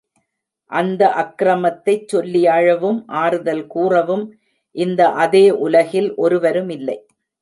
அந்த அக்ரமத்தைச் சொல்லி அழவும் ஆறுதல் கூறவும் இந்த அதே உலகில் ஒருவருமில்லை.